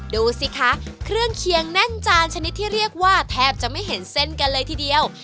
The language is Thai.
ดูสิคะเครื่องเคียงแน่นจานชนิดที่เรียกว่าแทบจะไม่เห็นเส้นกันเลยทีเดียว